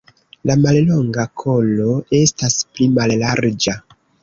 La mallonga kolo estas pli mallarĝa.